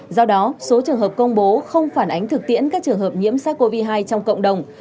do đó số trường hợp công bố không phản ánh thực tiễn các trường hợp nhiễm sars cov hai trong cộng đồng